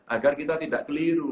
agar kita tidak keliru